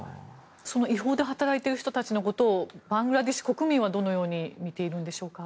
違法で働いている人たちのことをバングラデシュ国民はどう見ているんでしょうか。